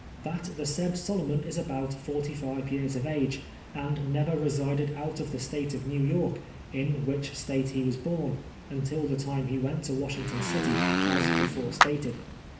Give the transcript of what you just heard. Tluit the siiid Solomon is ahout f<)rty rivc years of age, and never resided out of the St:ite of New York, in which State he was born, until the time he went to ^Vashington city, as before stated.